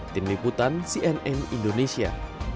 tim liputan cnn indonesia